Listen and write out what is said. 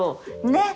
ねっ。